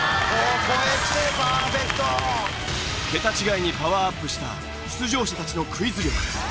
桁違いにパワーアップした出場者たちのクイズ力。